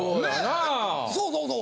そうそうそう。